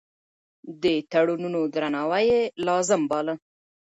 د تړونونو درناوی يې لازم باله.